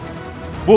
bukan seorang pembunuh